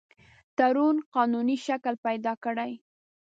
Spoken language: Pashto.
تړون قانوني شکل پیدا کړي.